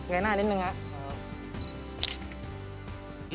หันหน้านิดหนึ่งครับ